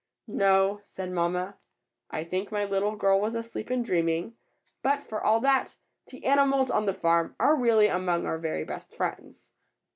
"No," said mamma, "I think my little girl was asleep and dreaming; but, for all that, the animals on the farm are really among our very best friends."